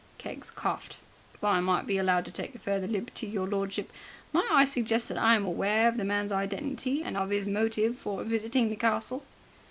Keggs coughed. "If I might be allowed to take a further liberty, your lordship, might I suggest that I am aware of the man's identity and of his motive for visiting the castle."